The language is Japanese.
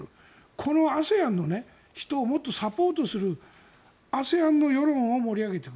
このＡＳＥＡＮの人をもっとサポートするＡＳＥＡＮの世論を盛り上げていく。